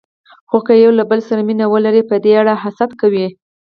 خو که یو له بل سره مینه ولري، په دې اړه حسد کوي.